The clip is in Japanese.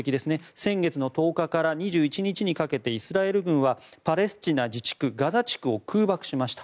先月１０日から２１日にかけてイスラエル軍はパレスチナ自治区ガザ地区を空爆しました。